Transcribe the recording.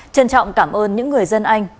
trân trọng cảm ơn những người dân anh